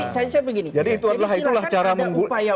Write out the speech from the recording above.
jadi silahkan ada upaya upaya